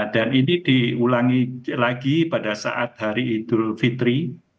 dan ini diulangi lagi pada saat hari idul fitri